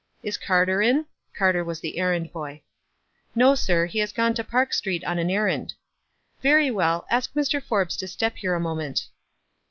" Is Carter in ?" Carter was the errand boy. w No, sir; he has gone to Park Street on an errand." " Very well ; ask Mr. Forbes to step here a moment."